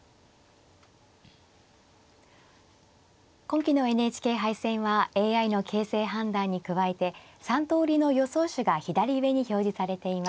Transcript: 今期のＮＨＫ杯戦はＡＩの形勢判断に加えて３通りの予想手が左上に表示されています。